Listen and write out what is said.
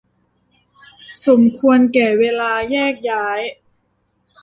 สมควรแก่เวลาแยกย้าย